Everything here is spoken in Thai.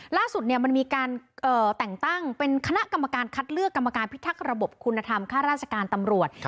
ล่าสุดมันมีการแต่งตั้งเป็นคณะกรรมการคัดเลือกกรรมการพิทักษ์ระบบคุณธรรมค่าราชการตำรวจ